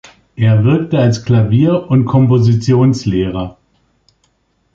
Er wirkte als Klavier- und Kompositionslehrer.